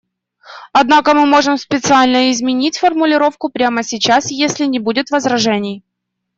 Однако мы можем специально изменить формулировку прямо сейчас, если не будет возражений.